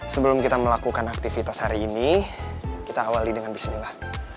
sebelum kita melakukan aktivitas hari ini kita awali dengan bismillah